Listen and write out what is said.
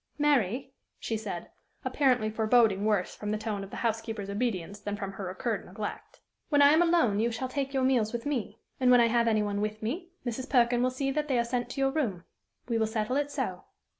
"Mary," she said, apparently foreboding worse from the tone of the housekeeper's obedience than from her occurred neglect, "when I am alone, you shall take your meals with me; and when I have any one with me, Mrs. Perkin will see that they are sent to your room. We will settle it so."